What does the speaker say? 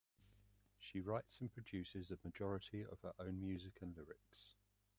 She writes and produces a majority of her own music and lyrics.